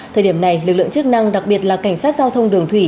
thời điểm này lực lượng chức năng đặc biệt là cảnh sát giao thông đường thủy